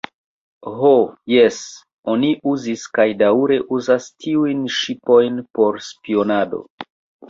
Ho jes, oni uzis kaj daŭre uzas tiujn ŝipojn por spionado.